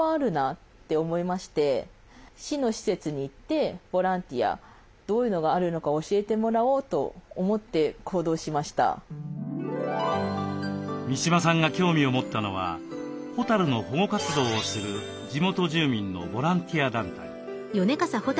そこにボランティアを募集する記事が載っていまして三嶋さんが興味を持ったのはホタルの保護活動をする地元住民のボランティア団体。